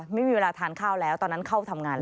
ไม่มีเวลาทานข้าวแล้วตอนนั้นเข้าทำงานแล้ว